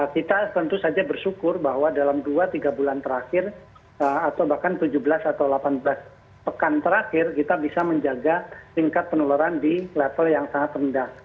kita tentu saja bersyukur bahwa dalam dua tiga bulan terakhir atau bahkan tujuh belas atau delapan belas pekan terakhir kita bisa menjaga tingkat penularan di level yang sangat rendah